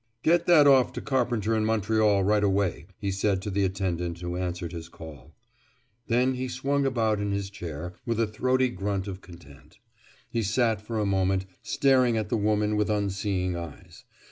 "Get that off to Carpenter in Montreal right away," he said to the attendant who answered his call. Then he swung about in his chair, with a throaty grunt of content. He sat for a moment, staring at the woman with unseeing eyes.